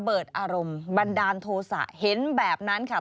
เปิดอารมณ์บันดาลโทษะเห็นแบบนั้นค่ะ